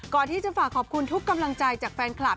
ก่อนที่จะฝากขอบคุณทุกกำลังใจจากแฟนคลับ